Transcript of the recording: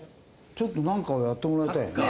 ちょっとなんかをやってもらいたいな。